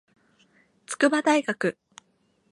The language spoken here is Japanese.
筑波大学